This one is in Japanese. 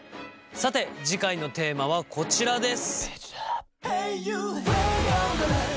さて次回のテーマはこちらです。